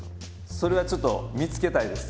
それはちょっと見つけたいです。